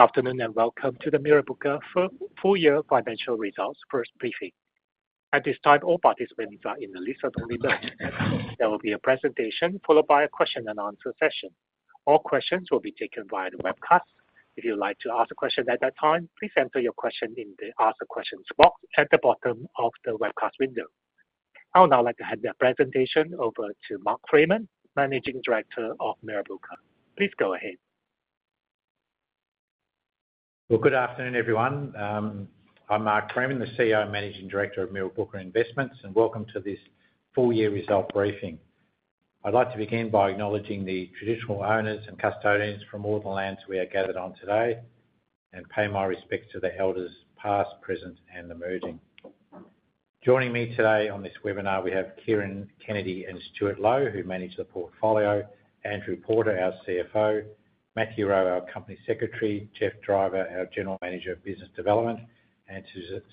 Afternoon and welcome to the Mirrabooka Investments Full-year Financial Results First Briefing. At this time, all participants are in the listen-only zone. There will be a presentation followed by a Q&A session. All questions will be taken via the webcast. If you would like to ask a question at that time, please enter your question in the ask questions box at the bottom of the webcast window. I would now like to hand the presentation over to Mark Freeman, Managing Director of Mirrabooka. Please go ahead. Good afternoon, everyone. I'm Mark Freeman, the CEO and Managing Director of Mirrabooka Investments, and welcome to this full-year results briefing. I'd like to begin by acknowledging the traditional owners and custodians from all of the lands we are gathered on today and pay my respects to the elders past, present, and emerging. Joining me today on this webinar, we have Kieran Kennedy and Stuart Low, who manage the portfolio; Andrew Porter, our CFO; Matthew Rowe, our Company Secretary; Geoffrey Driver, our General Manager of Business Development; and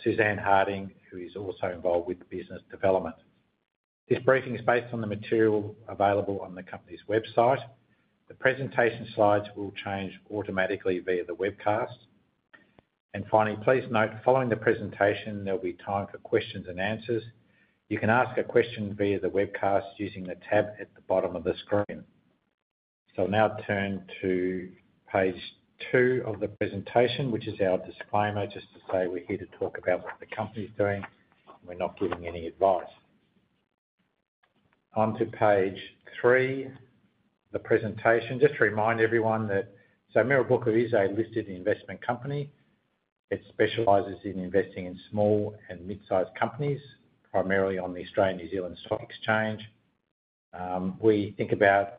Suzanne Harding, who is also involved with business development. This briefing is based on the material available on the company's website. The presentation slides will change automatically via the webcast. Please note that following the presentation, there will be time for questions and answers. You can ask a question via the webcast using the tab at the bottom of the screen. I'll now turn to page two of the presentation, which is our disclaimer, just to say we're here to talk about what the company is doing. We're not giving any advice. Onto page three of the presentation. Just to remind everyone that Mirrabooka is a listed investment company. It specializes in investing in small and mid-sized companies, primarily on the Australian and New Zealand Stock Exchange. We think about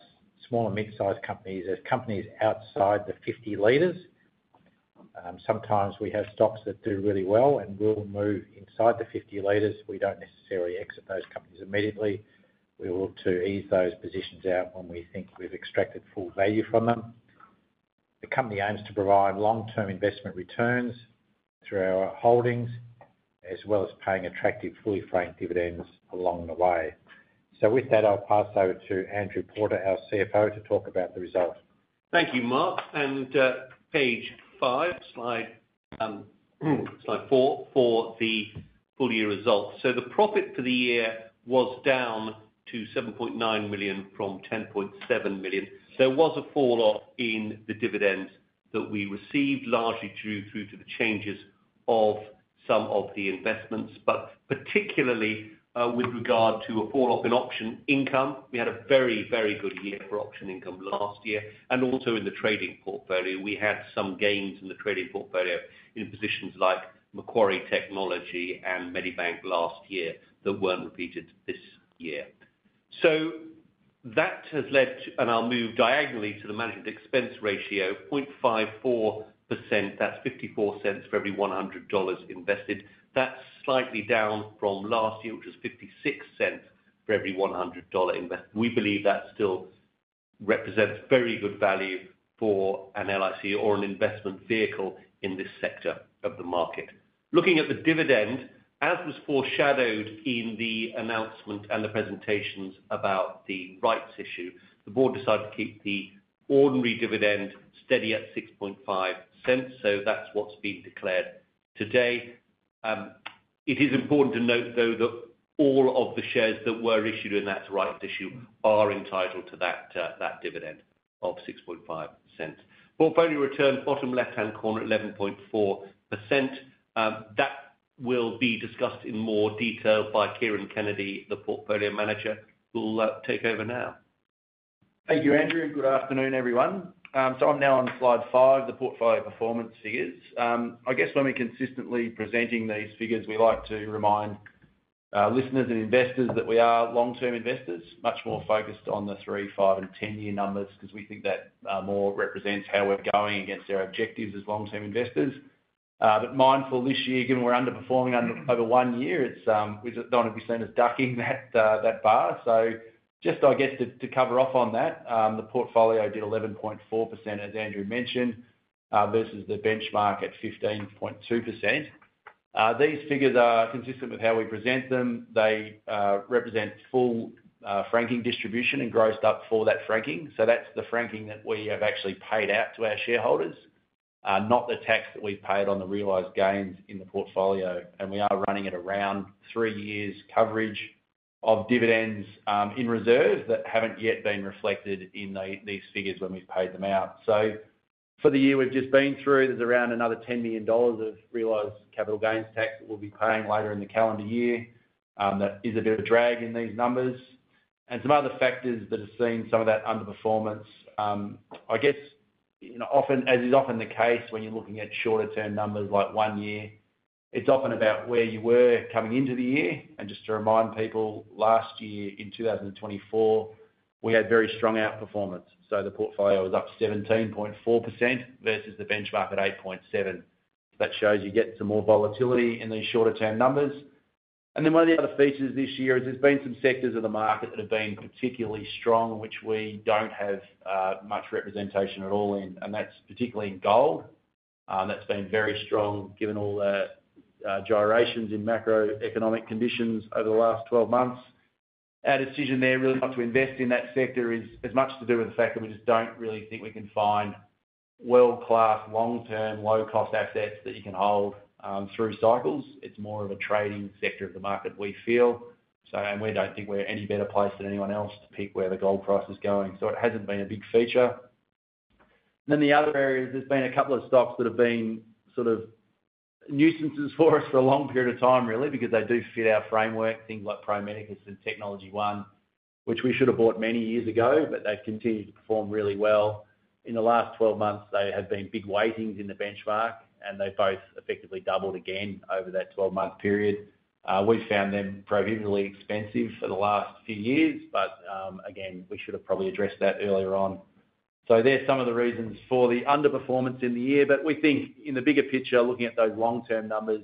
small and mid-sized companies as companies outside the 50 leaders. Sometimes we have stocks that do really well and will move inside the 50 leaders. We don't necessarily exit those companies immediately. We will look to ease those positions out when we think we've extracted full value from them. The company aims to provide long-term investment returns through our holdings, as well as paying attractive, fully-franked dividends along the way. With that, I'll pass over to Andrew Porter, our CFO, to talk about the results. Thank you, Mark. On page five, slide four for the full-year results. The profit for the year was down to $7.9 million from $10.7 million. There was a fall-off in the dividends that we received, largely due to the changes of some of the investments, particularly with regard to a fall-off in option income. We had a very, very good year for option income last year. Also, in the trading portfolio, we had some gains in the trading portfolio in positions like Macquarie Technology Group and Medibank last year that weren't repeated this year. That has led to, and I'll move diagonally to the management expense ratio, 0.54%. That's $0.54 for every $100 invested. That's slightly down from last year, which was $0.56 for every $100 invested. We believe that still represents very good value for an LIC or an investment vehicle in this sector of the market. Looking at the dividend, as was foreshadowed in the announcement and the presentations about the rights issue, the board decided to keep the ordinary dividend steady at $0.065. That's what's been declared today. It is important to note, though, that all of the shares that were issued in that rights issue are entitled to that dividend of $0.065. Portfolio return, bottom left-hand corner, 11.4%. That will be discussed in more detail by Kieran Kennedy, the Portfolio Manager, who will take over now. Thank you, Andrew. And good afternoon, everyone. I'm now on slide five, the portfolio performance figures. I guess when we're consistently presenting these figures, we like to remind listeners and investors that we are long-term investors, much more focused on the three, five, and 10-year numbers because we think that more represents how we're going against our objectives as long-term investors. Mindful this year, given we're underperforming over one year, we don't want to be seen as ducking that bar. Just to cover off on that, the portfolio did 11.4%, as Andrew mentioned, versus the benchmark at 15.2%. These figures are consistent with how we present them. They represent full franking distribution and grossed up for that franking. That's the franking that we have actually paid out to our shareholders, not the tax that we paid on the realized gains in the portfolio. We are running at around three years' coverage of dividends in reserve that haven't yet been reflected in these figures when we've paid them out. For the year we've just been through, there's around another $10 million of realized capital gains tax that we'll be paying later in the calendar year. That is a bit of a drag in these numbers. Some other factors that have seen some of that underperformance, often, as is often the case when you're looking at shorter-term numbers like one year, it's often about where you were coming into the year. Just to remind people, last year in 2024, we had very strong outperformance. The portfolio was up 17.4% versus the benchmark at 8.7%. That shows you get some more volatility in these shorter-term numbers. One of the other features this year is there's been some sectors of the market that have been particularly strong, in which we don't have much representation at all in. That's particularly in gold. That's been very strong given all the gyrations in macroeconomic conditions over the last 12 months. Our decision there really not to invest in that sector has much to do with the fact that we just don't really think we can find world-class long-term low-cost assets that you can hold through cycles. It's more of a trading sector of the market, we feel. We don't think we're in any better place than anyone else to pick where the gold price is going. It hasn't been a big feature. The other areas, there's been a couple of stocks that have been sort of nuisances for us for a long period of time, really, because they do fit our framework, things like Pro Medicus and Technology One, which we should have bought many years ago, but they've continued to perform really well. In the last 12 months, they have been big weightings in the benchmark, and they've both effectively doubled again over that 12-month period. We've found them prohibitively expensive for the last few years, but we should have probably addressed that earlier on. There are some of the reasons for the underperformance in the year, but we think in the bigger picture, looking at those long-term numbers,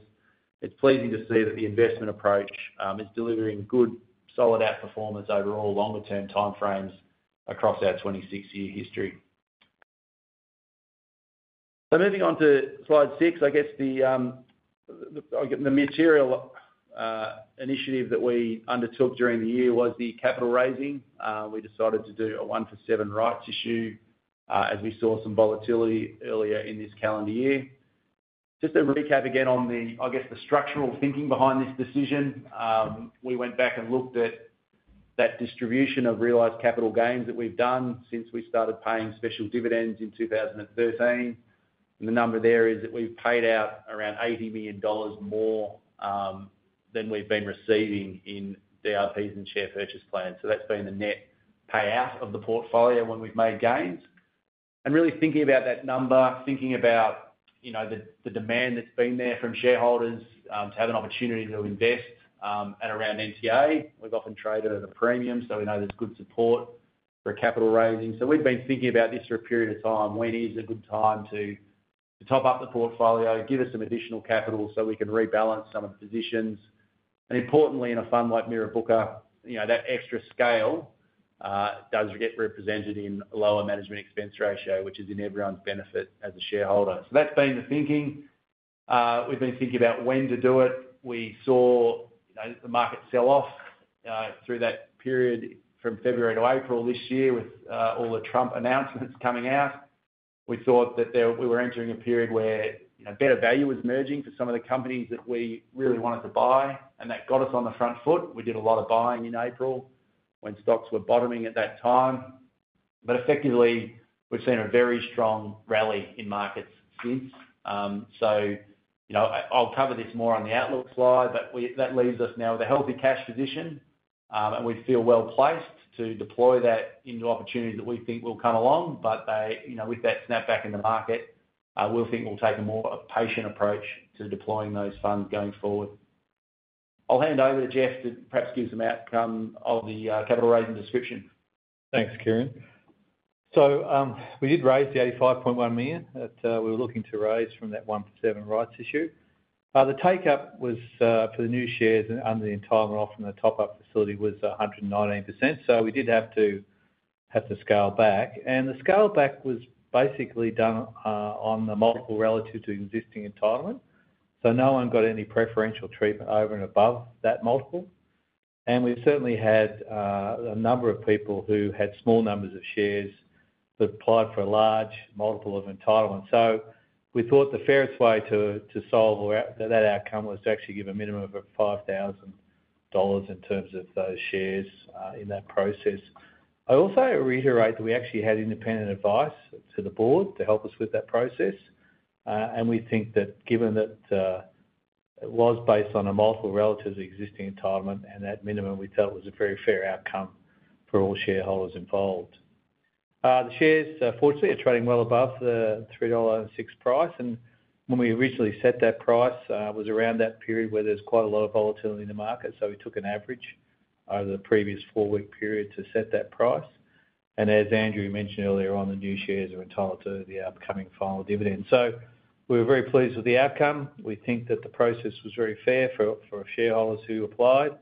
it's pleasing to see that the investment approach is delivering good, solid outperformance over all longer-term timeframes across our 26-year history. Moving on to slide six, I guess the material initiative that we undertook during the year was the capital raising. We decided to do a one-for-seven rights issue as we saw some volatility earlier in this calendar year. Just to recap again on the structural thinking behind this decision, we went back and looked at that distribution of realized capital gains that we've done since we started paying special dividends in 2013. The number there is that we've paid out around $80 million more than we've been receiving in the RPs and share purchase plans. That's been the net payout of the portfolio when we've made gains. Really thinking about that number, thinking about the demand that's been there from shareholders to have an opportunity to invest at around NTA. We've often traded at a premium, so we know there's good support for a capital raising. We've been thinking about this for a period of time, when is a good time to top up the portfolio, give us some additional capital so we can rebalance some of the positions. Importantly, in a fund like Mirrabooka Investments, that extra scale does get represented in a lower management expense ratio, which is in everyone's benefit as a shareholder. That's been the thinking. We've been thinking about when to do it. We saw the market sell off through that period from February to April this year with all the Trump announcements coming out. We thought that we were entering a period where better value was emerging for some of the companies that we really wanted to buy, and that got us on the front foot. We did a lot of buying in April when stocks were bottoming at that time. Effectively, we've seen a very strong rally in markets since. I'll cover this more on the outlook slide, but that leaves us now with a healthy cash position. We'd feel well placed to deploy that into opportunities that we think will come along. With that snapback in the market, we think we'll take a more patient approach to deploying those funds going forward. I'll hand over to Geoff to perhaps give some outcome of the capital raising description. Thanks, Kieran. We did raise the $85.1 million that we were looking to raise from that one-for-seven rights issue. The takeup for the new shares under the entitlement offer and the top-up facility was 119%. We did have to scale back. The scale back was basically done on the multiple relative to existing entitlement. No one got any preferential treatment over and above that multiple. We certainly had a number of people who had small numbers of shares that applied for a large multiple of entitlement. We thought the fairest way to solve that outcome was to actually give a minimum of $5,000 in terms of those shares in that process. I also reiterate that we actually had independent advice to the board to help us with that process. We think that given that it was based on a multiple relative to existing entitlement and that minimum, we felt it was a very fair outcome for all shareholders involved. The shares, fortunately, are trading well above the $3.06 price. When we originally set that price, it was around that period where there was quite a lot of volatility in the market. We took an average over the previous four-week period to set that price. As Andrew mentioned earlier on, the new shares are entitled to the upcoming final dividend. We were very pleased with the outcome. We think that the process was very fair for shareholders who applied.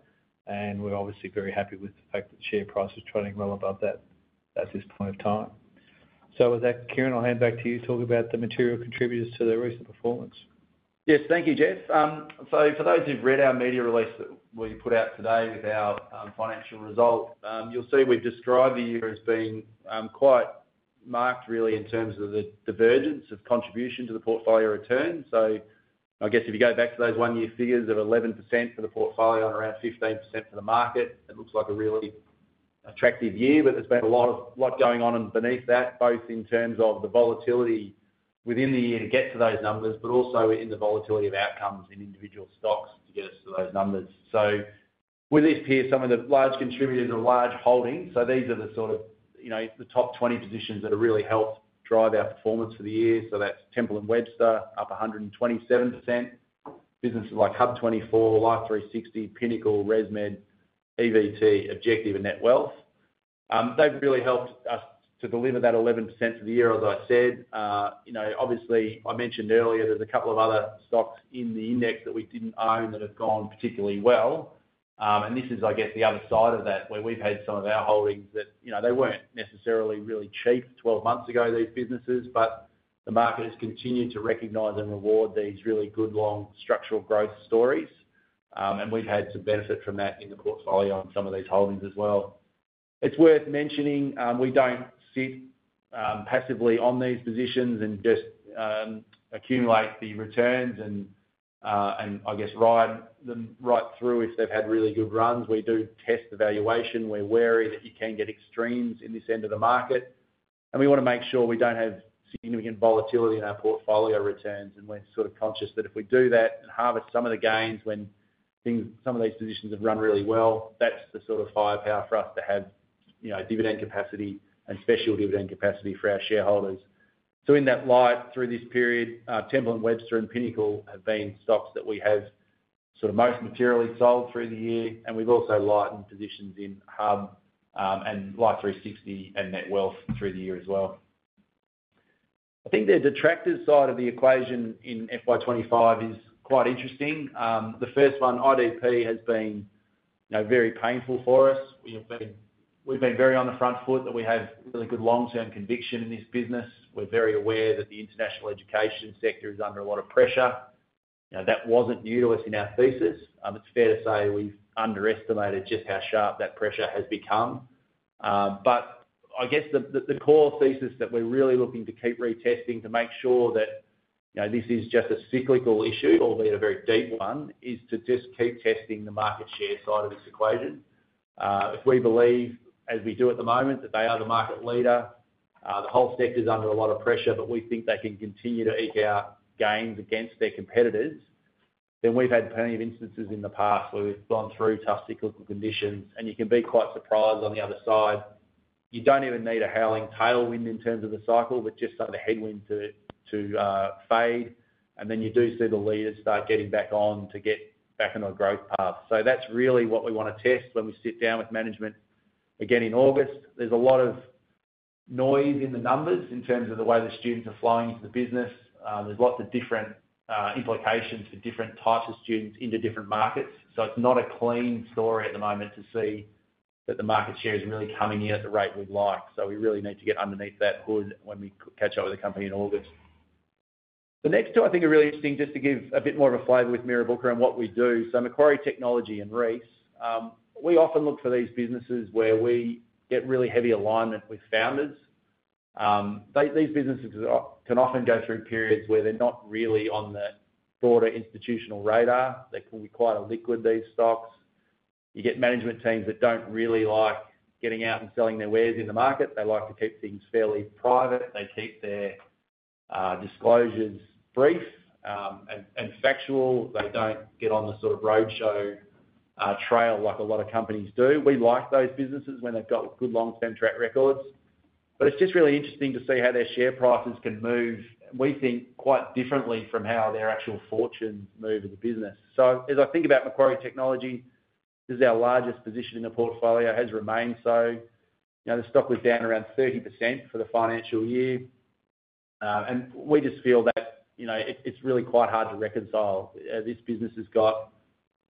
We're obviously very happy with the fact that the share price is trading well above that at this point of time. With that, Kieran, I'll hand back to you to talk about the material contributors to the recent performance. Yes, thank you, Geoff. For those who've read our media release that we put out today with our financial result, you'll see we've described the year as being quite marked, really, in terms of the divergence of contribution to the portfolio return. If you go back to those one-year figures of 11% for the portfolio and around 15% for the market, it looks like a really attractive year, but there's been a lot going on beneath that, both in terms of the volatility within the year to get to those numbers, but also in the volatility of outcomes in individual stocks to get us to those numbers. With this here, some of the large contributors are large holdings. These are the sort of, you know, the top 20 positions that have really helped drive our performance for the year. That's Temple & Webster, up 127%. Businesses like Hub24, Life360, Pinnacle, ResMed, EVT, Objective, and Netwealth. They've really helped us to deliver that 11% for the year, as I'd said. Obviously, I mentioned earlier there's a couple of other stocks in the index that we didn't own that have gone particularly well. This is, I guess, the other side of that, where we've had some of our holdings that, you know, they weren't necessarily really cheap 12 months ago, these businesses, but the market has continued to recognize and reward these really good long structural growth stories. We've had some benefit from that in the portfolio on some of these holdings as well. It's worth mentioning we don't sit passively on these positions and just accumulate the returns and, I guess, ride them right through if they've had really good runs. We do test the valuation. We're wary that you can get extremes in this end of the market. We want to make sure we don't have significant volatility in our portfolio returns. We're sort of conscious that if we do that and harvest some of the gains when some of these positions have run really well, that's the sort of firepower for us to have, you know, dividend capacity and special dividend capacity for our shareholders. In that light, through this period, Temple & Webster and Pinnacle have been stocks that we have sort of most materially sold through the year. We've also lightened positions in Hub and Life360 and Netwealth through the year as well. I think the detractor side of the equation in FY 2025 is quite interesting. The first one, IDP Education, has been, you know, very painful for us. We've been very on the front foot that we have really good long-term conviction in this business. We're very aware that the international education sector is under a lot of pressure. That wasn't new to us in our thesis. It's fair to say we've underestimated just how sharp that pressure has become. I guess the core thesis that we're really looking to keep retesting to make sure that this is just a cyclical issue, albeit a very deep one, is to just keep testing the market share side of this equation. If we believe, as we do at the moment, that they are the market leader, the whole sector is under a lot of pressure, but we think they can continue to eke out gains against their competitors. We've had plenty of instances in the past where we've gone through tough cyclical conditions. You can be quite surprised on the other side. You don't even need a howling tailwind in terms of the cycle, just the headwind to fade. You do see the leaders start to get back on a growth path. That's really what we want to test when we sit down with management again in August. There's a lot of noise in the numbers in terms of the way the students are flowing into the business. There are lots of different implications for different types of students into different markets. It's not a clean story at the moment to see that the market share is really coming in at the rate we'd like. We really need to get underneath that hood when we catch up with the company in August. The next two, I think, are really interesting just to give a bit more of a flavor with Mirrabooka and what we do. Macquarie Technology and Reece, we often look for these businesses where we get really heavy alignment with founders. These businesses can often go through periods where they're not really on the broader institutional radar. They can be quite illiquid, these stocks. You get management teams that don't really like getting out and selling their wares in the market. They like to keep things fairly private. They keep their disclosures brief and factual, but they don't get on the sort of roadshow trail like a lot of companies do. We like those businesses when they've got good long-term track records. It's just really interesting to see how their share prices can move, we think, quite differently from how their actual fortune moves in the business. As I think about Macquarie Technology, this is our largest position in the portfolio and has remained so. The stock was down around 30% for the financial year, and we just feel that it's really quite hard to reconcile. This business has got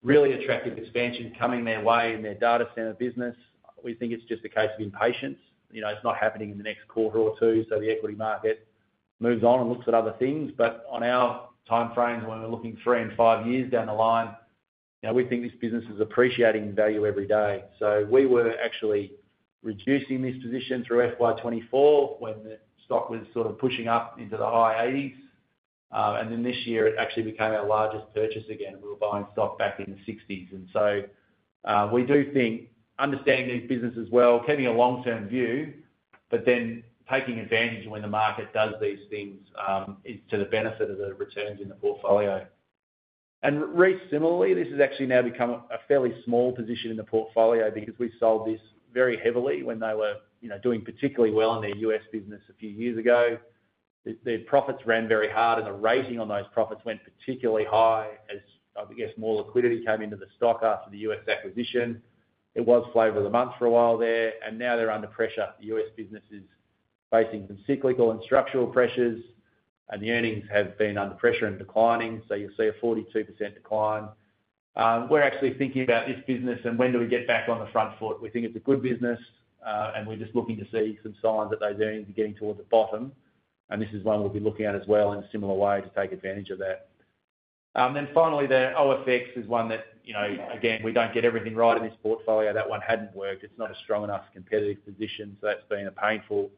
really attractive expansion coming their way in their data center business. We think it's just a case of impatience. It's not happening in the next quarter or two, so the equity market moves on and looks at other things. On our timeframes, when we're looking three and five years down the line, we think this business is appreciating in value every day. We were actually reducing this position through FY 2024 when the stock was sort of pushing up into the high $80s. This year, it actually became our largest purchase again, and we were buying stock back in the $60s. We do think understanding these businesses well, keeping a long-term view, but then taking advantage of when the market does these things is to the benefit of the returns in the portfolio. Reece, similarly, has actually now become a fairly small position in the portfolio because we sold this very heavily when they were doing particularly well in their U.S. business a few years ago. Their profits ran very hard, and the rating on those profits went particularly high as more liquidity came into the stock after the U.S. acquisition. It was flavor of the month for a while there, and now they're under pressure. The U.S. business is facing some cyclical and structural pressures, and the earnings have been under pressure and declining. You'll see a 42% decline. We're actually thinking about this business and when do we get back on the front foot. We think it's a good business, and we're just looking to see some signs that those earnings are getting toward the bottom. This is one we'll be looking at as well in a similar way to take advantage of that. Finally, OFX is one that, again, we don't get everything right in this portfolio. That one hadn't worked. It's not a strong enough competitive position, so that's been a painful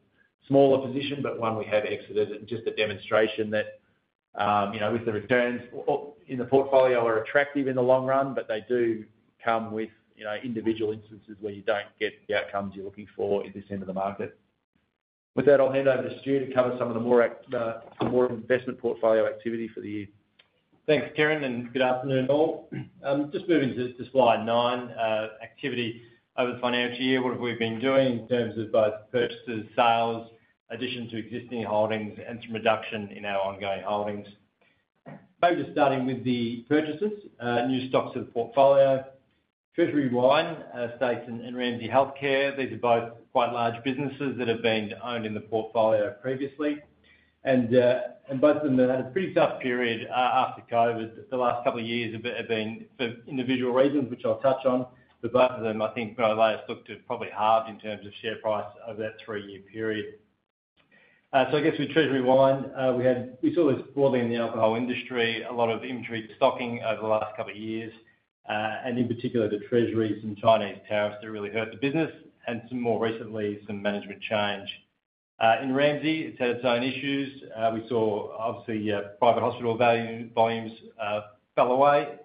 smaller position, but one we have exited. It's just a demonstration that the returns in the portfolio are attractive in the long run, but they do come with individual instances where you don't get the outcomes you're looking for at this end of the market. With that, I'll hand over to Stu to cover some of the more investment portfolio activity for the year. Thanks, Kieran, and good afternoon all. Just moving to slide nine, activity over the financial year. What have we been doing in terms of both purchases, sales, addition to existing holdings, and some reduction in our ongoing holdings? Maybe just starting with the purchases, new stocks of the portfolio. Treasury Wine Estates and Ramsay Health Care, these are both quite large businesses that have been owned in the portfolio previously. Both of them have had a pretty tough period after COVID. The last couple of years have been for individual reasons, which I'll touch on. Both of them, I think, by the way, have looked at probably hard in terms of share price over that three-year period. With Treasury Wine, we saw this broadly in the alcohol industry, a lot of inventory stocking over the last couple of years. In particular, the Treasury's and Chinese tariffs really hurt the business, and more recently, some management change. In Ramsay, it's had its own issues. We saw, obviously, private hospital volumes fell away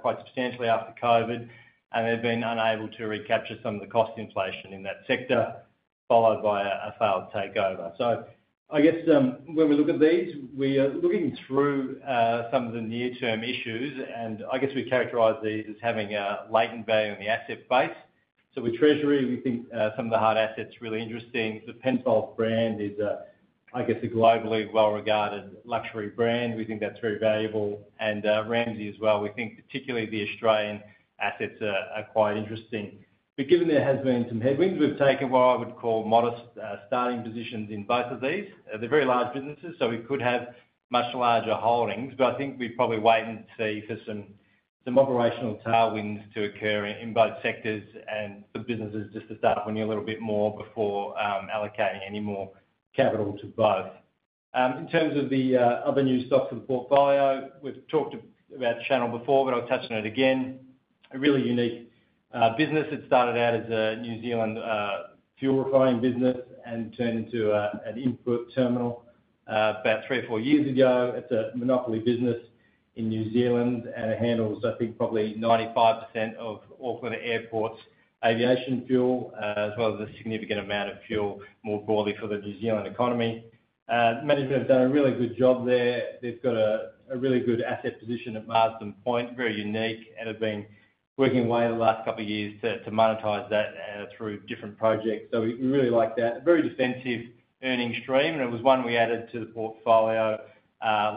quite substantially after COVID, and they've been unable to recapture some of the cost inflation in that sector, followed by a failed takeover. When we look at these, we are looking through some of the near-term issues, and we characterize these as having a latent value on the asset base. With Treasury, we think some of the hard assets are really interesting. The Penfolds brand is, I guess, a globally well-regarded luxury brand. We think that's very valuable. Ramsay as well, we think particularly the Australian assets are quite interesting. Given there have been some headwinds, we've taken what I would call modest starting positions in both of these. They're very large businesses, so we could have much larger holdings, but I think we'd probably wait and see for some operational tailwinds to occur in both sectors and for businesses just to start honing a little bit more before allocating any more capital to both. In terms of the other new stocks of the portfolio, we've talked about Channel Infrastructure before, but I'll touch on it again. A really unique business that started out as a New Zealand fuel refining business and turned into an import terminal about three or four years ago. It's a monopoly business in New Zealand, and it handles, I think, probably 95% of Auckland Airport's aviation fuel, as well as a significant amount of fuel more broadly for the New Zealand economy. Management has done a really good job there. They've got a really good asset position at Marsden Point, very unique, and have been working away the last couple of years to monetize that through different projects. We really like that. A very defensive earnings stream, and it was one we added to the portfolio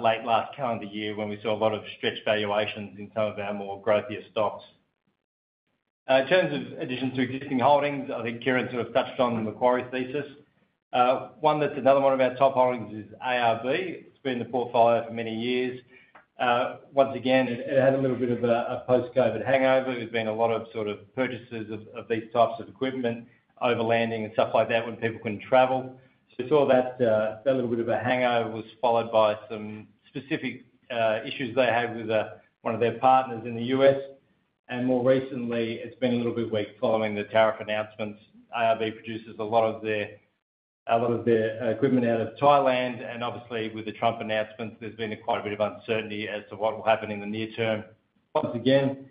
late last calendar year when we saw a lot of stretched valuations in some of our more growthier stocks. In terms of additions to existing holdings, I think Kieran sort of touched on the Macquarie thesis. One that's another one of our top holdings is ARB. It's been in the portfolio for many years. Once again, it had a little bit of a post-COVID hangover. There's been a lot of purchases of these types of equipment, overlanding and stuff like that when people couldn't travel. We saw that a little bit of a hangover was followed by some specific issues they had with one of their partners in the U.S. More recently, it's been a little bit weak following the tariff announcements. ARB produces a lot of their equipment out of Thailand, and obviously with the Trump announcements, there's been quite a bit of uncertainty as to what will happen in the near term. Once again,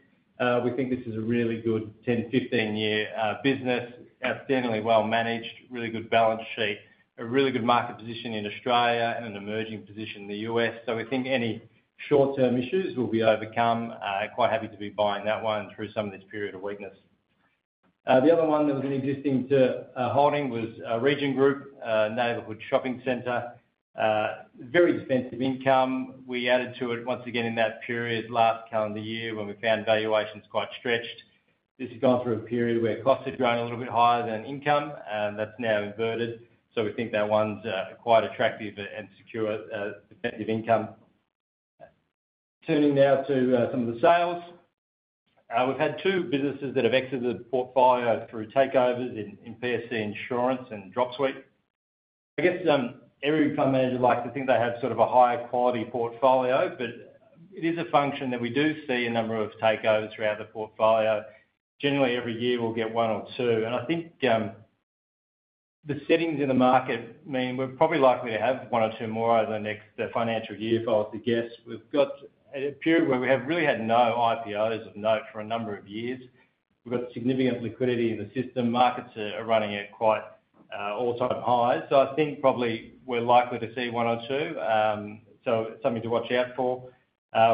we think this is a really good 10-15 year business, outstandingly well managed, really good balance sheet, a really good market position in Australia, and an emerging position in the U.S. We think any short-term issues will be overcome. Quite happy to be buying that one through some of this period of weakness. The other one that was an existing holding was Region Group, a neighborhood shopping center. Very expensive income. We added to it once again in that period last calendar year when we found valuations quite stretched. This has gone through a period where costs have grown a little bit higher than income, and that's now inverted. We think that one's quite attractive and secure, effective income. Turning now to some of the sales. We've had two businesses that have exited the portfolio through takeovers in PSC Insurance and Dropsuite. I guess every fund manager likes to think they have sort of a higher quality portfolio, but it is a function that we do see a number of takeovers throughout the portfolio. Generally, every year, we'll get one or two. I think the settings in the market mean we're probably likely to have one or two more over the next financial year, I'd like to guess. We've got a period where we have really had no IPOs of note for a number of years. We've got significant liquidity in the system. Markets are running at quite all-time highs. I think probably we're likely to see one or two. It's something to watch out for.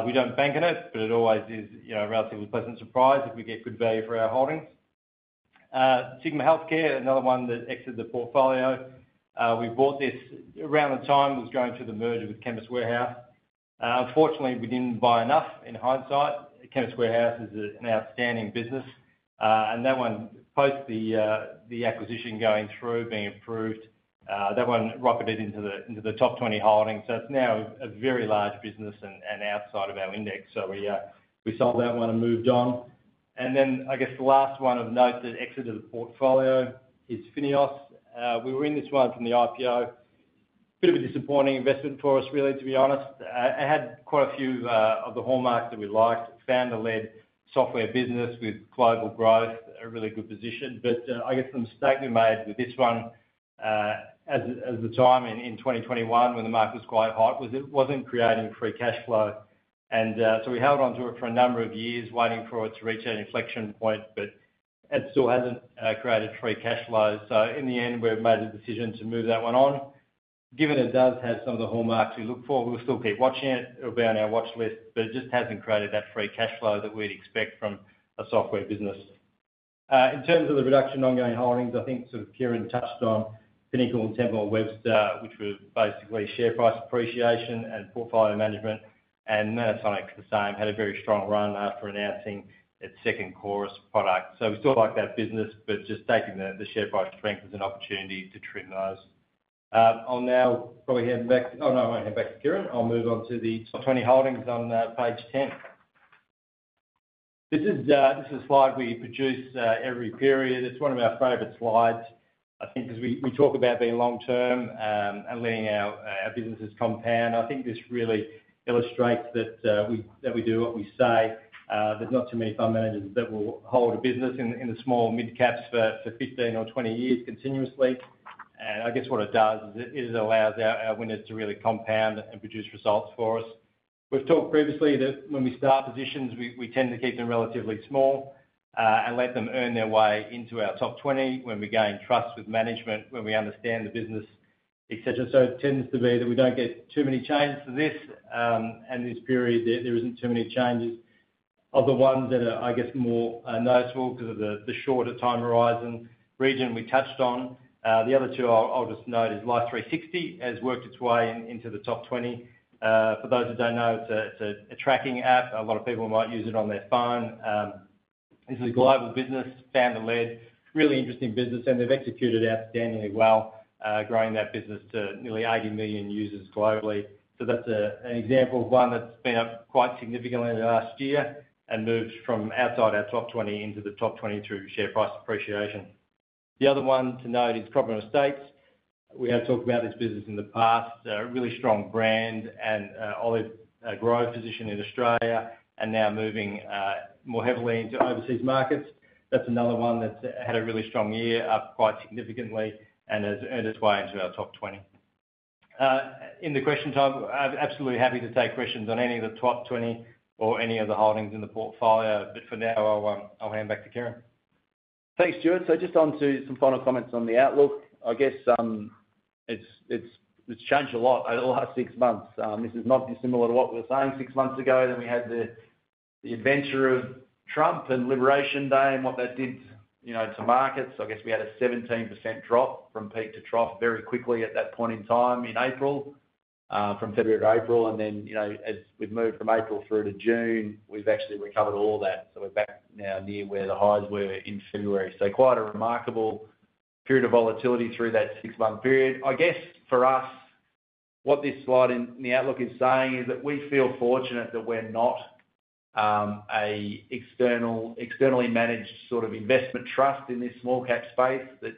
We don't bank on it, but it always is a relatively pleasant surprise if we get good value for our holdings. Sigma Healthcare, another one that exited the portfolio. We bought this around the time it was going through the merger with Chemist Warehouse. Unfortunately, we didn't buy enough in hindsight. Chemist Warehouse is an outstanding business. That one, post the acquisition going through, being approved, rocketed into the top 20 holdings. It's now a very large business and outside of our index. We sold that one and moved on. I guess the last one of note that exited the portfolio is FINEOS. We were in this one from the IPO. Bit of a disappointing investment for us, really, to be honest. It had quite a few of the hallmarks that we liked. It's found a lead software business with global growth, a really good position. I guess the mistake we made with this one, as the time in 2021 when the market was quite hot, was it wasn't creating free cash flow. We held onto it for a number of years, waiting for it to reach an inflection point, but it still hadn't created free cash flow. In the end, we've made a decision to move that one on. Given it does have some of the hallmarks we look for, we'll still keep watching it. It'll be on our watch list, but it just hasn't created that free cash flow that we'd expect from a software business. In terms of the reduction in ongoing holdings, I think Kieran touched on Pinnacle and Temple & Webster, which were basically share price appreciation and portfolio management. Nanosonics is the same, had a very strong run after announcing its second Chorus product. We still like that business, but just taking the share price strength as an opportunity to trim those. I'll now probably hand back to, oh no, I won't hand back to Kieran. I'll move on to the 20 holdings on page 10. This is a slide we produce every period. It's one of our favorite slides, I think, because we talk about being long-term and letting our businesses compound. I think this really illustrates that we do what we say, but not too many fund managers that will hold a business in the small and mid-caps for 15 or 20 years continuously. I guess what it does is it allows our winners to really compound and produce results for us. We've talked previously that when we start positions, we tend to keep them relatively small and let them earn their way into our top 20 when we gain trust with management, when we understand the business, etc. It tends to be that we don't get too many changes to this. This period, there isn't too many changes of the ones that are, I guess, more noticeable because of the shorter time horizon, Region we touched on. The other two I'll just note are Life360 has worked its way into the top 20. For those that don't know, it's a tracking app. A lot of people might use it on their phone. This is a global business, founder-led, really interesting business, and they've executed outstandingly well, growing that business to nearly 80 million users globally. That's an example of one that's been up quite significantly in the last year and moved from outside our top 20 into the top 20 through share price appreciation. The other one to note is Cobram Estates. We have talked about this business in the past, a really strong brand and olive growth position in Australia and now moving more heavily into overseas markets. That's another one that's had a really strong year, up quite significantly, and has earned its way into our top 20. In the question time, I'm absolutely happy to take questions on any of the top 20 or any of the holdings in the portfolio, but for now, I'll hand back to Kieran. Thanks, Stuart. Just on to some final comments on the outlook. I guess it's changed a lot over the last six months. This is not dissimilar to what we were saying six months ago. We had the adventure of Trump and Liberation Day and what that did, you know, to markets. We had a 17% drop from peak to trough very quickly at that point in time in April, from February to April. As we've moved from April through to June, we've actually recovered all of that. We're back now near where the highs were in February. Quite a remarkable period of volatility through that six-month period. I guess for us, what this slide in the outlook is saying is that we feel fortunate that we're not an externally managed sort of investment trust in this small-cap space that's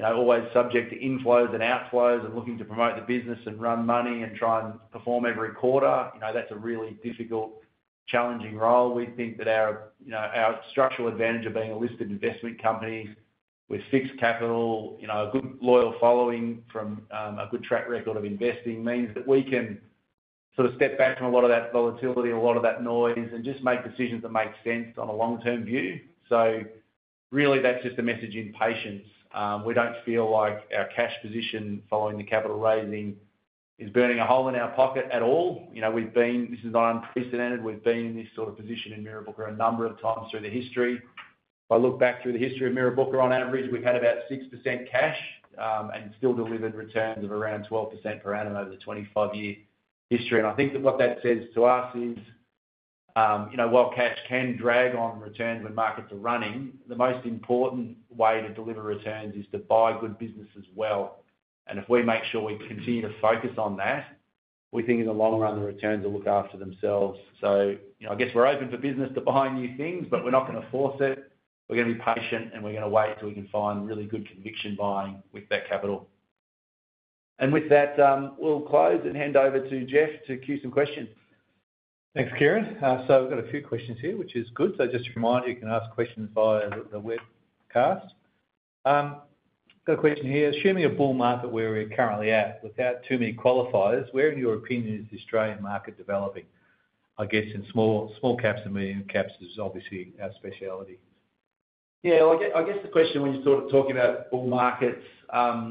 always subject to inflows and outflows and looking to promote the business and run money and try and perform every quarter. That's a really difficult, challenging role. We think that our structural advantage of being a listed investment company with fixed capital, a good loyal following from a good track record of investing, means that we can step back from a lot of that volatility, a lot of that noise, and just make decisions that make sense on a long-term view. Really, that's just a message in patience. We don't feel like our cash position following the capital raising is burning a hole in our pocket at all. This is not unprecedented. We've been in this sort of position in Mirrabooka a number of times through the history. If I look back through the history of Mirrabooka, on average, we've had about 6% cash and still delivered returns of around 12% per annum over the 25-year history. I think that what that says to us is, while cash can drag on returns when markets are running, the most important way to deliver returns is to buy good business as well. If we make sure we continue to focus on that, we think in the long run, the returns will look after themselves. I guess we're open for business to buy new things, but we're not going to force it. We're going to be patient, and we're going to wait till we can find really good conviction buying with that capital. With that, we'll close and hand over to Geoff to queue some questions. Thanks, Kieran. We've got a few questions here, which is good. Just to remind you, you can ask questions via the webcast. I've got a question here. Assume you're a bull market where we're currently at, without too many qualifiers. Where, in your opinion, is the Australian market developing? I guess in small caps and medium caps is obviously our specialty. Yeah, I guess the question when you're talking about bull markets, I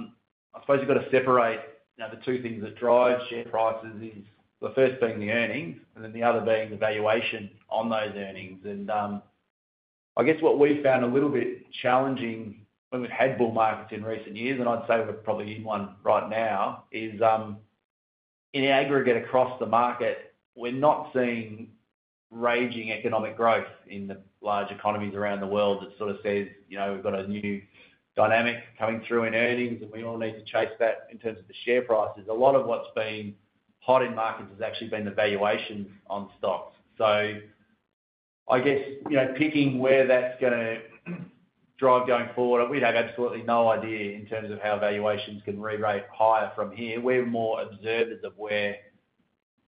suppose you've got to separate the two things that drive share prices, the first being the earnings and then the other being the valuation on those earnings. I guess what we've found a little bit challenging when we've had bull markets in recent years, and I'd say we're probably in one right now, is in aggregate across the market, we're not seeing raging economic growth in the large economies around the world that sort of says, you know, we've got a new dynamic coming through in earnings and we all need to chase that in terms of the share prices. A lot of what's been hot in markets has actually been the valuation on stocks. I guess, you know, picking where that's going to drive going forward, we'd have absolutely no idea in terms of how valuations can re-rate higher from here. We're more observant of where,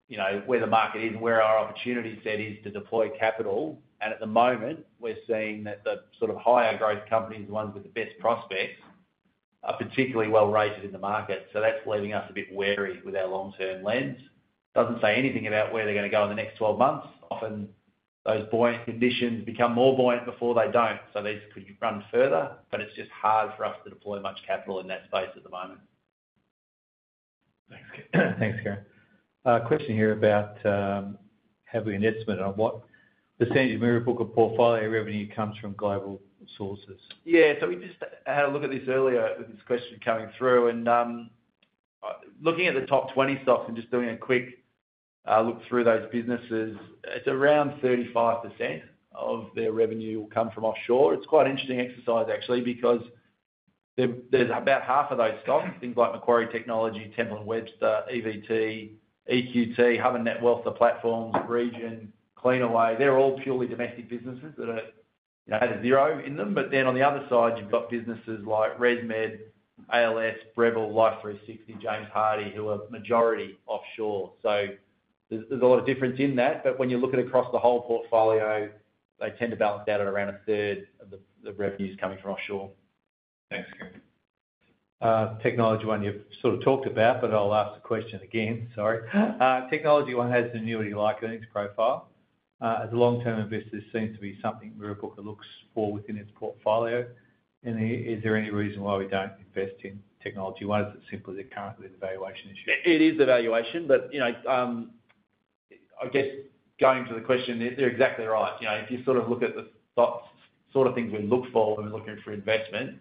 you know, where the market is and where our opportunity set is to deploy capital. At the moment, we're seeing that the sort of higher growth companies, the ones with the best prospects, are particularly well rated in the market. That's leaving us a bit wary with our long-term lens. It doesn't say anything about where they're going to go in the next 12 months. Often, those buoyant conditions become more buoyant before they don't. These could run further, but it's just hard for us to deploy much capital in that space at the moment. Thanks, Kieran. A question here about having an estimate of what percent of Mirrabooka portfolio revenue comes from global sources. Yeah, we just had a look at this earlier, this question coming through. Looking at the top 20 stocks and just doing a quick look through those businesses, it's around 35% of their revenue will come from offshore. It's quite an interesting exercise, actually, because there's about half of those stocks, things like Macquarie Technology, Temple & Webster, EVT, EQT, Hub24, and Netwealth, the Platforms, Region, Cleanaway. They're all purely domestic businesses that are, you know, at a zero in them. Then on the other side, you've got businesses like ResMed, ALS, Breville, Life360, James Hardie, who are majority offshore. There's a lot of difference in that. When you look at across the whole portfolio, they tend to balance out at around a third of the revenues coming from offshore. Thanks, Kieran. Technology One, you've sort of talked about, but I'll ask the question again. Sorry. Technology One has an annuity-like earnings profile. As a long-term investor, this seems to be something Mirrabooka looks for within its portfolio. Is there any reason why we don't invest in Technology One? Is it simply that currently the valuation issue? It is the valuation, but you know, I guess going to the question, they're exactly right. If you sort of look at the sort of things we look for when we're looking for investment,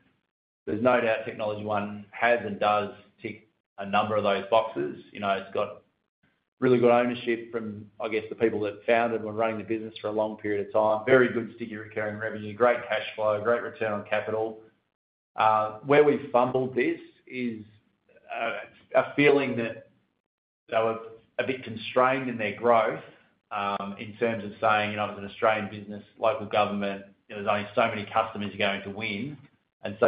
there's no doubt Technology One has and does tick a number of those boxes. It's got really good ownership from, I guess, the people that founded and were running the business for a long period of time. Very good sticky recurring revenue, great cash flow, great return on capital. Where we've fumbled this is a feeling that they were a bit constrained in their growth in terms of saying it was an Australian business, local government, you know, there's only so many customers you're going to win.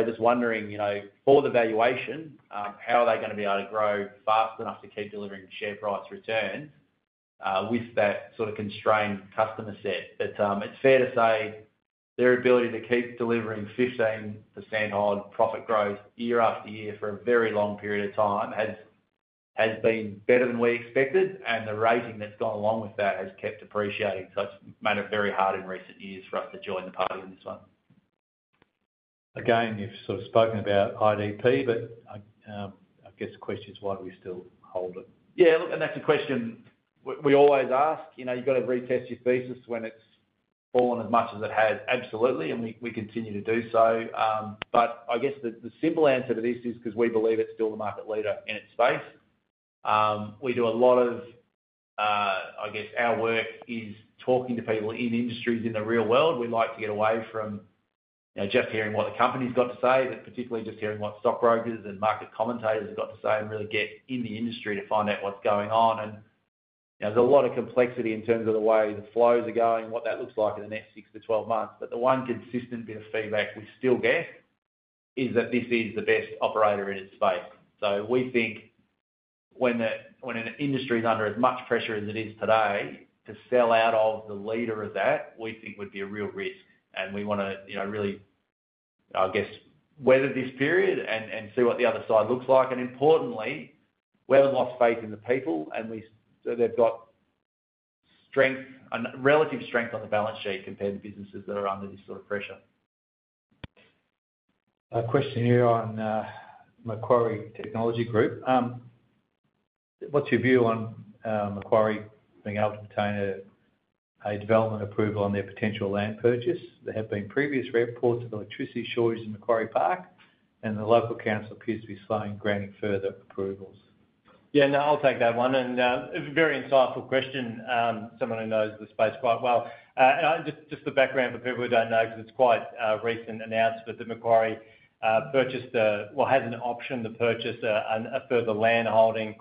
Just wondering, for the valuation, how are they going to be able to grow fast enough to keep delivering share price return with that sort of constrained customer set? It's fair to say their ability to keep delivering 15% odd profit growth year after year for a very long period of time has been better than we expected. The rating that's gone along with that has kept appreciating. It's made it very hard in recent years for us to join the party in this one. Again, you've sort of spoken about IDP, but I guess the question is why do we still hold it? Yeah, look, that's a question we always ask. You've got to retest your thesis when it's fallen as much as it has, absolutely, and we continue to do so. I guess the simple answer to this is because we believe it's still the market leader in its space. We do a lot of our work talking to people in industries in the real world. We like to get away from just hearing what the company's got to say, but particularly just hearing what stock brokers and market commentators have got to say and really get in the industry to find out what's going on. There's a lot of complexity in terms of the way the flows are going, what that looks like in the next six to twelve months. The one consistent bit of feedback we still get is that this is the best operator in its space. We think when an industry is under as much pressure as it is today, to sell out of the leader of that, we think would be a real risk. We want to really weather this period and see what the other side looks like. Importantly, we haven't lost faith in the people and they've got strength, relative strength on the balance sheet compared to businesses that are under this sort of pressure. A question here on Macquarie Technology Group. What's your view on Macquarie being able to obtain a development approval on their potential land purchase? There have been previous reports of electricity shortages in Macquarie Park, and the local council appears to be slowing granting further approvals. Yeah, no, I'll take that one. It's a very insightful question. Someone who knows the space quite well. Just the background for people who don't know, because it's quite a recent announcement that Macquarie purchased a, well, had an option to purchase a further land holding.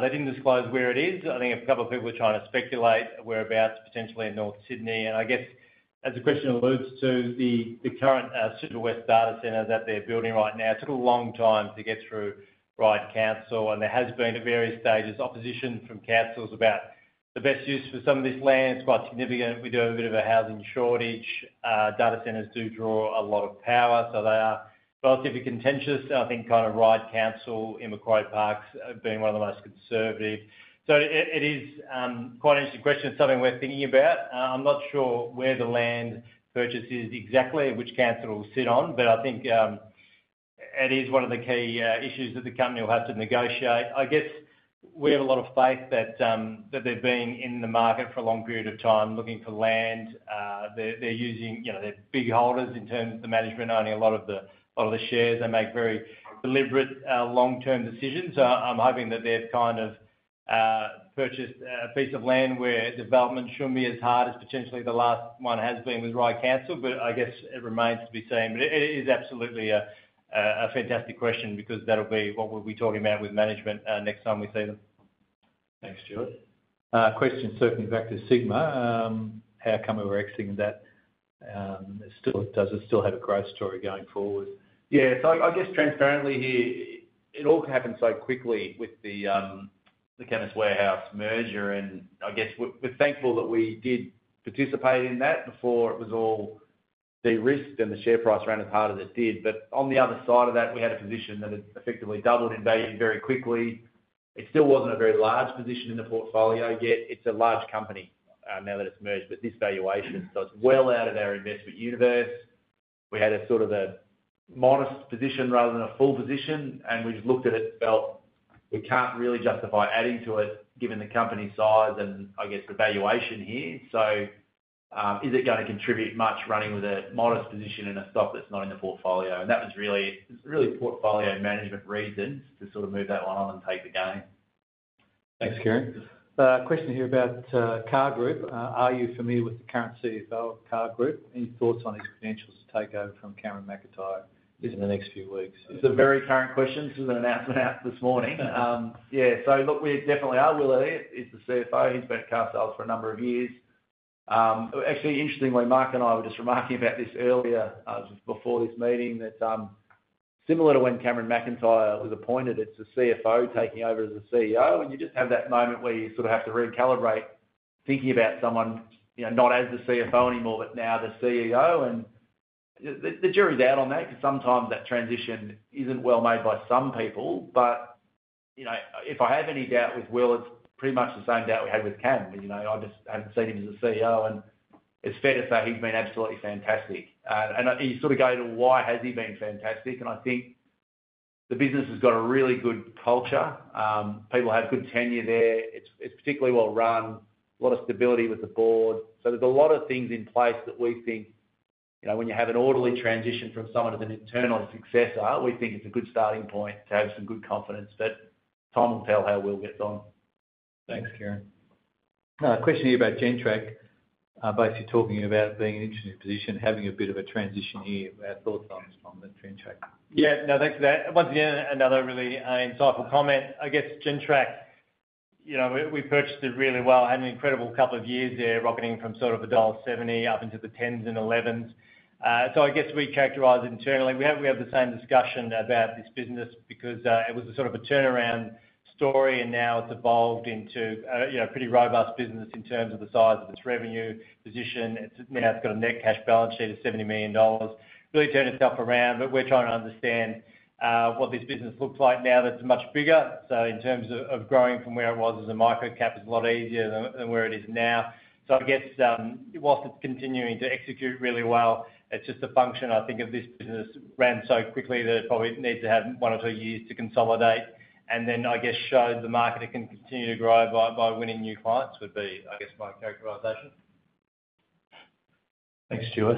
They didn't disclose where it is. I think a couple of people are trying to speculate whereabouts, potentially in North Sydney. As the question alludes to, the current Sydney West data center that they're building right now took a long time to get through Ryde Council. There has been, at various stages, opposition from councils about the best use for some of this land. It's quite significant. We do have a bit of a housing shortage. Data centers do draw a lot of power. They are relatively contentious. I think Ryde Council in Macquarie Park has been one of the most conservative. It is quite an interesting question. It's something we're thinking about. I'm not sure where the land purchase is exactly, which council it will sit on. I think it is one of the key issues that the company will have to negotiate. We have a lot of faith that they've been in the market for a long period of time looking for land. They're big holders in terms of the management owning a lot of the shares. They make very deliberate long-term decisions. I'm hoping that they've purchased a piece of land where development shouldn't be as hard as potentially the last one has been with Ryde Council. It remains to be seen. It is absolutely a fantastic question because that'll be what we'll be talking about with management next time we see them. Thanks, Stuart. Question circling back to Sigma. How come we were exiting that? Does it still have a growth story going forward? Yeah, so I guess transparently here, it all happened so quickly with the Chemist Warehouse merger. I guess we're thankful that we did participate in that before it was all de-risked and the share price ran as hard as it did. On the other side of that, we had a position that had effectively doubled in value very quickly. It still wasn't a very large position in the portfolio, yet it's a large company now that it's merged. This valuation is still well out of our investment universe. We had a sort of a modest position rather than a full position. We just looked at it and felt we can't really justify adding to it given the company size and I guess the valuation here. Is it going to contribute much running with a modest position in a stock that's not in the portfolio? That was really, really portfolio management reasons to sort of move that one on and take the gain. Thanks, Kieran. Question here about Car Group. Are you familiar with the current CFO of Car Group? Any thoughts on his potential to take over from Cameron McIntyre in the next few weeks? It's a very current question. Some of the announcements this morning. Yeah, so look, we definitely are. Willie is the CFO. He's been at car sales for a number of years. Actually, interestingly, Mark and I were just remarking about this earlier before this meeting that similar to when Cameron McIntyre was appointed, it's the CFO taking over as the CEO. You just have that moment where you sort of have to recalibrate thinking about someone, you know, not as the CFO anymore, but now the CEO. The jury's out on that because sometimes that transition isn't well made by some people. If I have any doubt with Will, it's pretty much the same doubt we had with Ken. I just hadn't seen him as a CEO. It's fair to say he's been absolutely fantastic. You sort of go to, why has he been fantastic? I think the business has got a really good culture. People have good tenure there. It's particularly well run. A lot of stability with the board. There's a lot of things in place that we think, you know, when you have an orderly transition from someone who's an internal successor, we think it's a good starting point to have some good confidence. Time will tell how we'll get done. Thanks, Kieran. Question here about Gentrack. Basically, talking about being an interesting position, having a bit of a transition here. Our thoughts on Gentrack. Yeah, no, thanks for that. Once again, another really insightful comment. I guess Gentrack, you know, we purchased it really well. It had an incredible couple of years there, rocketing from sort of $1.70 up into the tens and elevens. I guess we characterize it internally. We have the same discussion about this business because it was a sort of a turnaround story. Now it's evolved into a pretty robust business in terms of the size of its revenue position. Now it's got a net cash balance sheet of $70 million. Really turned itself around, but we're trying to understand what this business looks like now that it's much bigger. In terms of growing from where it was as a micro cap, it's a lot easier than where it is now. I guess whilst it's continuing to execute really well, it's just a function, I think, of this business ran so quickly that it probably needs to have one or two years to consolidate. I guess show the market it can continue to grow by winning new clients would be, I guess, my characterization. Thanks, Stuart.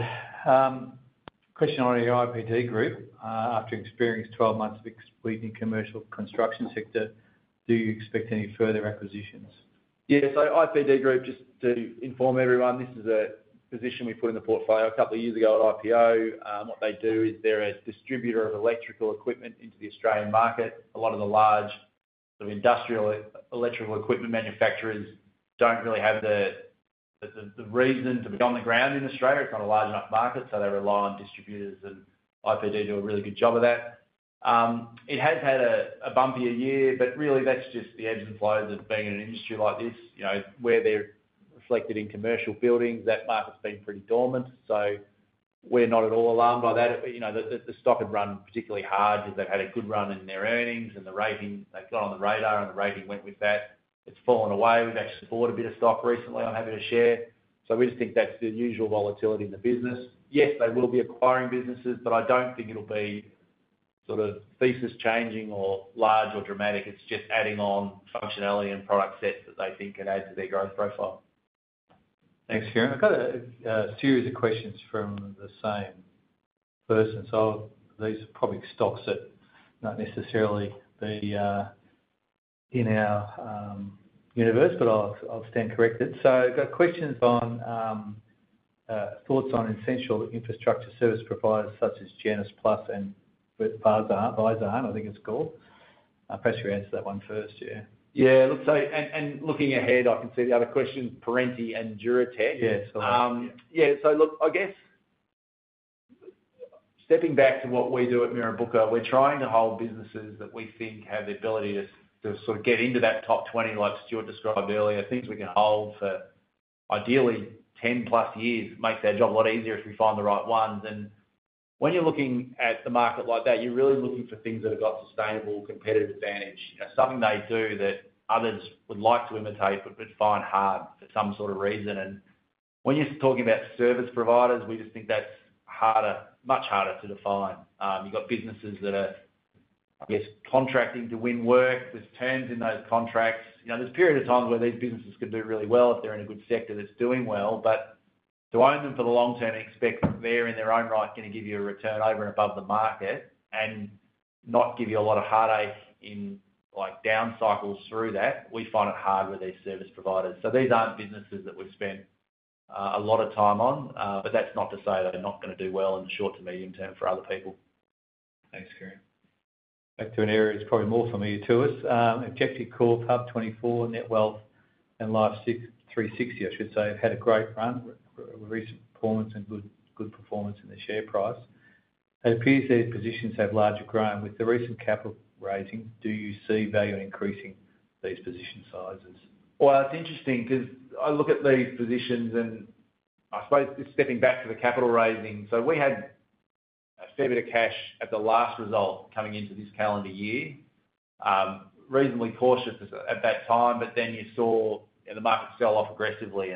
Question on the IPD Group. After experiencing 12 months of exploiting the commercial construction sector, do you expect any further acquisitions? Yeah, so IPD Group, just to inform everyone, this is a position we put in the portfolio a couple of years ago at IPO. What they do is they're a distributor of electrical equipment into the Australian market. A lot of the large sort of industrial electrical equipment manufacturers don't really have the reason to be on the ground in Australia. It's not a large enough market, so they rely on distributors, and IPD do a really good job of that. It has had a bumpier year, but really that's just the ebbs and flows of being in an industry like this. You know, where they're reflected in commercial buildings, that market's been pretty dormant. We're not at all alarmed by that. The stock had run particularly hard because they've had a good run in their earnings, and the rating that got on the radar and the rating went with that, it's fallen away. We've actually bought a bit of stock recently on having a share. We just think that's the usual volatility in the business. Yes, they will be acquiring businesses, but I don't think it'll be sort of thesis changing or large or dramatic. It's just adding on functionality and product set that they think can add to their growth profile. Thanks, Kieran. I've got a series of questions from the same person. These are probably stocks that are not necessarily in our universe, but I'll stand corrected. I've got questions on thoughts on essential infrastructure service providers such as Janus Plus and Vysarn. I think it's cool. Perhaps you answer that one first, yeah. Yeah, look, looking ahead, I can see the other question, Perenti and Duratec. Yes, I'm not sure. Yeah, so look, I guess stepping back to what we do at Mirrabooka Investments, we're trying to hold businesses that we think have the ability to sort of get into that top 20, like Stuart described earlier, things we can hold for ideally 10 plus years, make their job a lot easier if we find the right ones. When you're looking at the market like that, you're really looking for things that have got sustainable competitive advantage, something they do that others would like to imitate but would find hard for some sort of reason. When you're talking about service providers, we just think that's harder, much harder to define. You've got businesses that are, I guess, contracting to win work. There's terms in those contracts. There are periods of times where these businesses could do really well if they're in a good sector that's doing well, but to own them for the long term, expect they're in their own right going to give you a return over and above the market and not give you a lot of heartache in down cycles through that. We find it hard with these service providers. These aren't businesses that we spend a lot of time on, but that's not to say they're not going to do well in the short to medium term for other people. Thanks, Kieran. Back to an area that's probably more familiar to us. Hub24, Netwealth, and Life360, I should say, have had a great run with recent performance and good performance in the share price. It appears these positions have largely grown. With the recent capital raising, do you see value in increasing these position sizes? It's interesting because I look at these positions and I suppose it's stepping back to the capital raising. We had a fair bit of cash at the last result coming into this calendar year, reasonably cautious at that time, but then you saw the market sell off aggressively.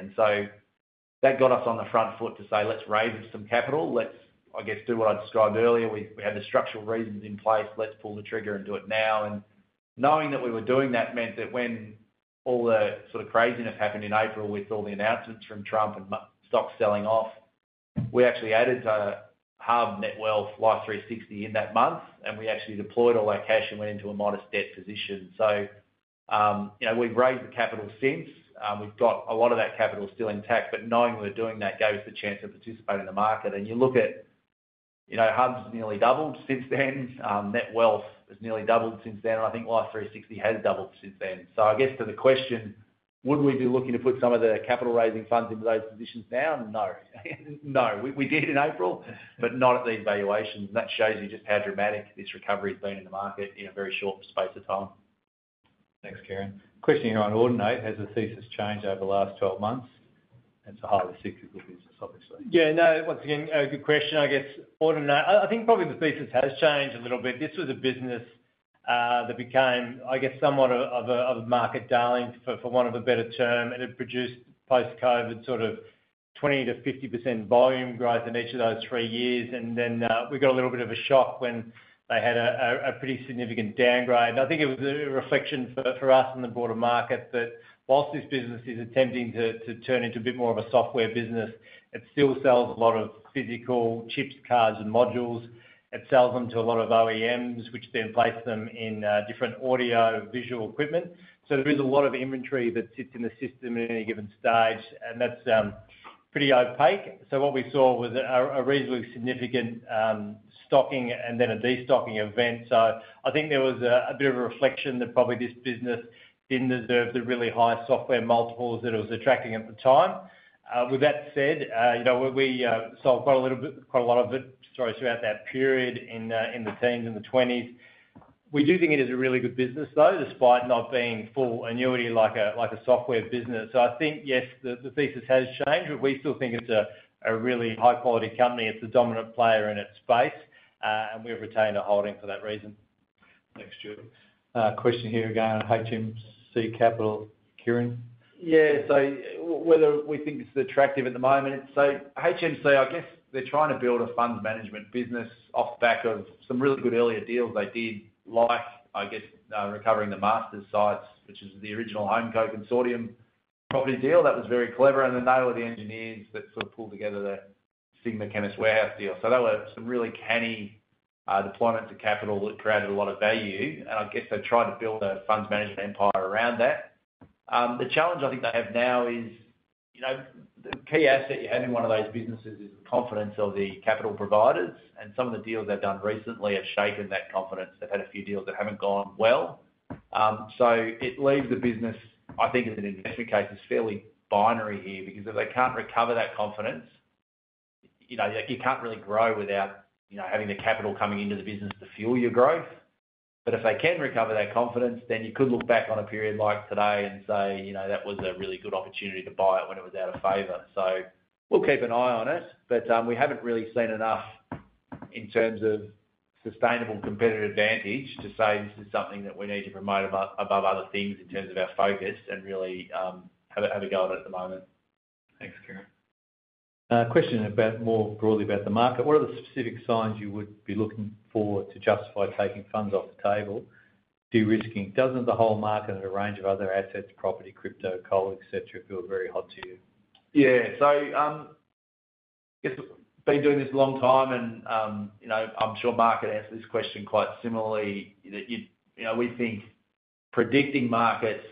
That got us on the front foot to say, let's raise some capital. Let's, I guess, do what I described earlier. We had the structural reasons in place. Let's pull the trigger and do it now. Knowing that we were doing that meant that when all the sort of craziness happened in April with all the announcements from Trump and stocks selling off, we actually added to Hub24, Netwealth, Life360 in that month, and we actually deployed all our cash and went into a modest debt position. We've raised the capital since. We've got a lot of that capital still intact, but knowing we're doing that gave us the chance to participate in the market. You look at, you know, Hub's nearly doubled since then. Netwealth has nearly doubled since then. I think Life360 has doubled since then. To the question, would we be looking to put some of the capital raising funds into those positions now? No, no. We did in April, but not at these valuations. That shows you just how dramatic this recovery has been in the market in a very short space of time. Thanks, Kieran. Question here on Ordinate has the thesis changed over the last 12 months? It's a highly cyclical business, obviously. Yeah, no, once again, a good question. I guess Ordinate. I think probably the thesis has changed a little bit. This was a business that became, I guess, somewhat of a market darling, for want of a better term. It produced post-COVID sort of 20% to 50% volume growth in each of those three years. We got a little bit of a shock when they had a pretty significant downgrade. I think it was a reflection for us in the broader market that whilst this business is attempting to turn into a bit more of a software business, it still sells a lot of physical chips, cards, and modules. It sells them to a lot of OEMs, which then place them in different audio visual equipment. There is a lot of inventory that sits in the system at any given stage, and that's pretty opaque. What we saw was a reasonably significant stocking and then a destocking event. I think there was a bit of a reflection that probably this business didn't deserve the really high software multiples that it was attracting at the time. With that said, we sold quite a little bit, quite a lot of it, sorry, throughout that period in the teens and the 20s. We do think it is a really good business, though, despite not being full annuity like a software business. I think, yes, the thesis has changed, but we still think it's a really high-quality company. It's a dominant player in its space, and we have retained a holding for that reason. Next year. Question here again on HMC Capital. Kieran? Yeah, whether we think it's attractive at the moment. HMC, I guess they're trying to build a fund management business off the back of some really good earlier deals they did. Life, I guess, recovering the Masters sites, which is the original HomeCo consortium property deal. That was very clever. They were the engineers that sort of pulled together the Sigma Chemist Warehouse deal. That was some really canny deployment of capital that created a lot of value. I guess they tried to build a fund management empire around that. The challenge I think they have now is the key asset you had in one of those businesses is the confidence of the capital providers. Some of the deals they've done recently have shaken that confidence. They've had a few deals that haven't gone well. It leaves the business, I think, as an investment case, it's fairly binary here because if they can't recover that confidence, you can't really grow without having the capital coming into the business to fuel your growth. If they can recover that confidence, then you could look back on a period like today and say that was a really good opportunity to buy it when it was out of favor. We'll keep an eye on it. We haven't really seen enough in terms of sustainable competitive advantage to say this is something that we need to promote above other things in terms of our focus and really have a go at it at the moment. Thanks, Kieran. Question more broadly about the market. What are the specific signs you would be looking for to justify taking funds off the table, derisking dozens of the whole market and a range of other assets, property, crypto, coal, etc., if it were very hot to you? Yeah, so I've been doing this a long time and, you know, I'm sure Mark could answer this question quite similarly. We think predicting markets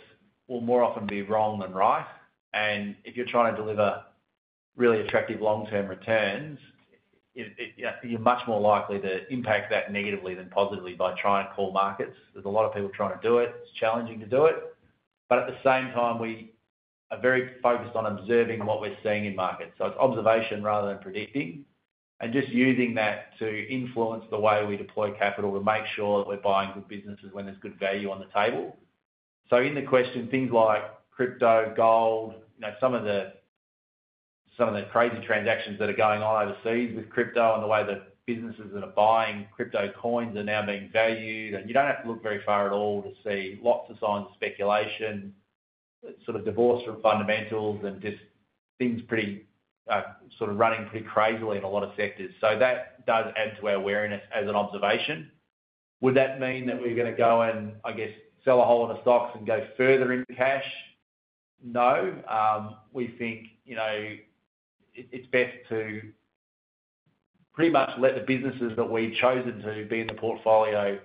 will more often be wrong than right. If you're trying to deliver really attractive long-term returns, you're much more likely to impact that negatively than positively by trying to call markets. There's a lot of people trying to do it. It's challenging to do it. At the same time, we are very focused on observing what we're seeing in markets. It's observation rather than predicting, and just using that to influence the way we deploy capital to make sure that we're buying good businesses when there's good value on the table. In the question, things like crypto, gold, some of the crazy transactions that are going on overseas with crypto and the way that businesses that are buying crypto coins are now being valued. You don't have to look very far at all to see lots of signs of speculation, sort of divorced from fundamentals and just things running pretty crazily in a lot of sectors. That does add to our awareness as an observation. Would that mean that we're going to go and, I guess, sell a hole in our stocks and go further into cash? No. We think it's best to pretty much let the businesses that we've chosen to be in the portfolio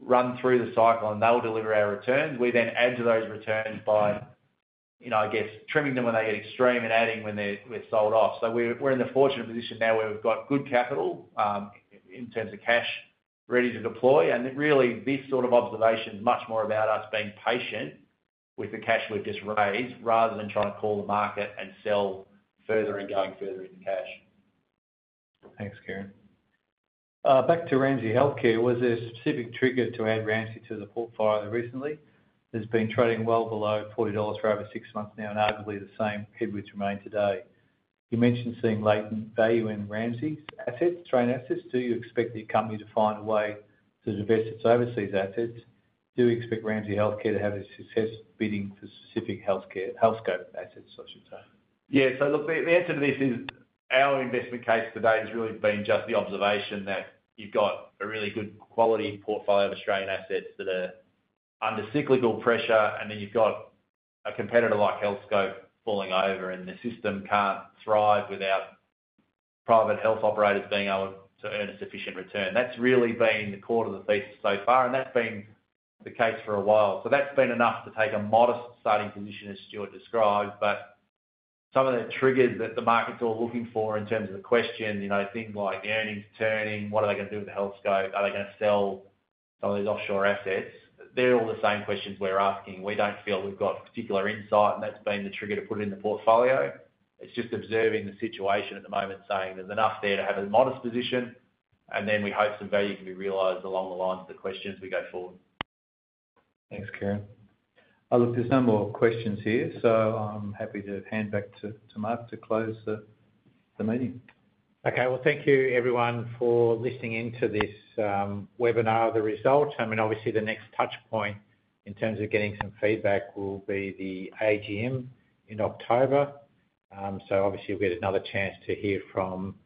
run through the cycle and they will deliver our return. We then add to those returns by, I guess, trimming them when they get extreme and adding when they're sold off. We're in the fortunate position now where we've got good capital in terms of cash ready to deploy. This sort of observation is much more about us being patient with the cash we've just raised rather than trying to call the market and sell further and go further into cash. Thanks, Kieran. Back to Ramsay Health Care. Was there a specific trigger to add Ramsay to the portfolio recently? It has been trading well below $40 for over six months now, and arguably the same headwinds remain today. You mentioned seeing latent value in Ramsay assets, Australian assets. Do you expect the company to find a way to invest its overseas assets? Do you expect Ramsay Health Care to have a success bidding for specific healthcare assets, I should say? Yeah, so look, the answer to this is our investment case today has really been just the observation that you've got a really good quality portfolio of Australian assets that are under cyclical pressure. You've got a competitor like Healthscope falling over and the system can't thrive without private health operators being able to earn a sufficient return. That's really been the core of the thesis so far and that's been the case for a while. That's been enough to take a modest starting position, as Stuart described. Some of the triggers that the market's all looking for in terms of the question, you know, things like earnings turning, what are they going to do with the Healthscope? Are they going to sell some of these offshore assets? They're all the same questions we're asking. We don't feel we've got particular insight and that's been the trigger to put it in the portfolio. It's just observing the situation at the moment, saying there's enough there to have a modest position. We hope some value can be realized along the lines of the questions we go forward. Thanks, Kieran. There's no more questions here, so I'm happy to hand back to Mark to close the meeting. Okay, thank you everyone for listening in to this webinar, the results. Obviously, the next touchpoint in terms of getting some feedback will be the AGM in October. Obviously, we'll get another chance to hear from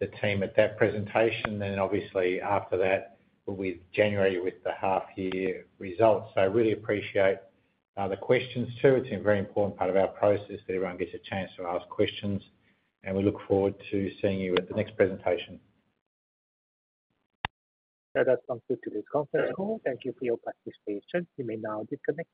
the team at that presentation. After that, we'll be in January with the half-year results. I really appreciate the questions too. It's a very important part of our process that everyone gets a chance to ask questions. We look forward to seeing you at the next presentation. That's some good to do conference call. Thank you for your participation. You may now disconnect.